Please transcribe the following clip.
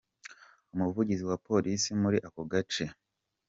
Umuvugizi wa polisi muri ako gace Sgt.